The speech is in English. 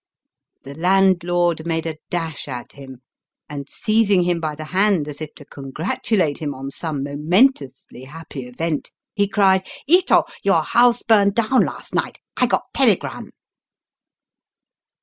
The landlord made a dash at him, and seizing him by the hand as if to congratulate him on some momentously happy event, he cried —*' Ito, your house burned down last night ; I got telegram."